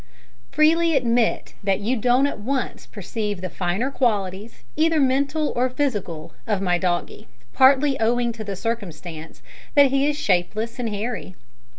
Freely admit that you don't at once perceive the finer qualities, either mental or physical, of my doggie, partly owing to the circumstance that he is shapeless and hairy.